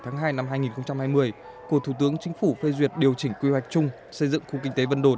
năm hai nghìn hai mươi của thủ tướng chính phủ phê duyệt điều chỉnh quy hoạch chung xây dựng khu kinh tế vân đồn